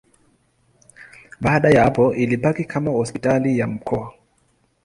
Baada ya hapo ilibaki kama hospitali ya mkoa.